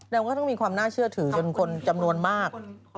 เราก็ต้องมีความน่าเชื่อถือจนคนจำนวนมาก